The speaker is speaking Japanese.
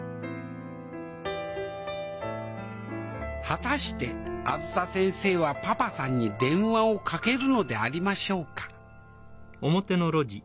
果たしてあづさ先生はパパさんに電話をかけるのでありましょうか？